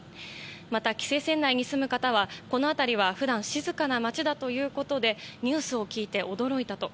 また、規制線内に住む方はこの辺りは普段、静かな町だということでニュースを聞いて驚いたと。